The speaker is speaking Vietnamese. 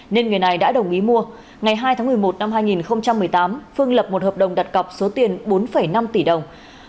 nên người này đã đồng ý mua ngày hai tháng một mươi một năm hai nghìn một mươi tám phương lập một hợp đồng đặt cọc số tiền bốn năm tỷ đồng